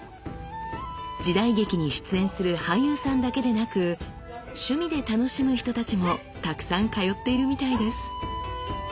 時代劇に出演する俳優さんだけでなく趣味で楽しむ人たちもたくさん通っているみたいです。